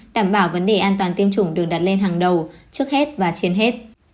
đảm bảo vấn đề an toàn tiêm chủng được đặt lên hàng đầu trước hết và trên hết